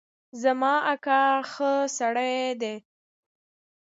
زما اکا ښه سړی دی